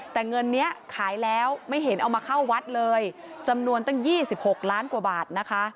แต่เงินนี้ขายแล้วไม่เห็นเอามาเข้าวัดเลยจำนวนตั้ง๒๖ล้านกว่าบาทนะคะ